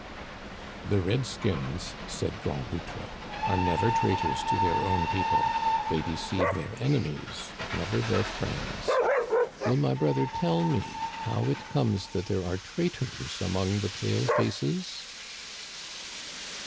"The red skins," said Grand Loutre, "are never traitors to their own people. They deceive their ene mies, but never their friends. Will my brother tell me how it comes that there are traitors among the pale faces